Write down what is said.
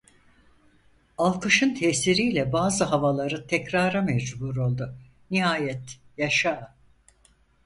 Alkışın tesiriyle bazı havaları tekrara mecbur oldu, nihayet "Yaşa!"